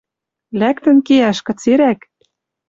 Лӓктӹн кеӓш кыцерӓк?